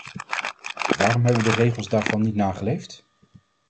Waarom hebben we de regels daarvan niet nageleefd?